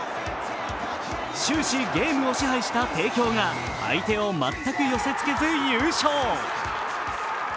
終始ゲームを支配した提供が相手を全く寄せつけず優勝。